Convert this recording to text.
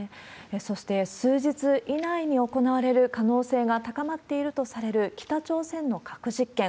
そして、数日以内に行われる可能性が高まっているとされる北朝鮮の核実験。